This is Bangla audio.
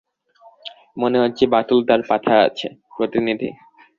মনে হচ্ছে বাটুল টার পাঠা আছে, প্রতিনিধি।